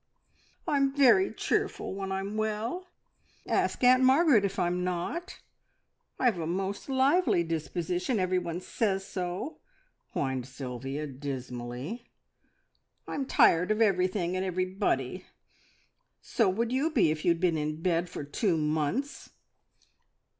"I'm very cheerful when I'm well. Ask Aunt Margaret if I'm not. I've a most lively disposition. Everyone says so," whined Sylvia dismally. "I'm tired of everything and everybody. So would you be if you'd been in bed for two months."